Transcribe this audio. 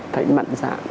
thấy mạnh dạng